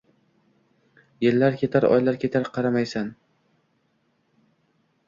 Yillar ketar oylar ketar qaramaysan